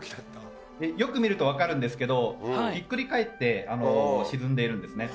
よく見ると分かるんですけどひっくり返って沈んでいるんですね。